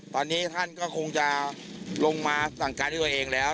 ตอนนี้ท่านก็คงจะลงมาสั่งการด้วยตัวเองแล้ว